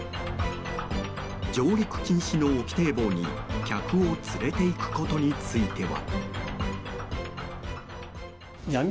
上陸禁止の沖堤防に客を連れていくことについては。